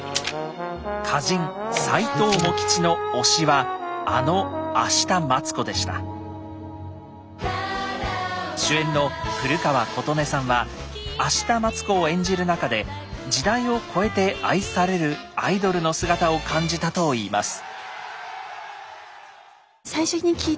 歌人・斎藤茂吉の推しは主演の古川琴音さんは明日待子を演じる中で時代を超えて愛されるアイドルの姿を感じたといいます。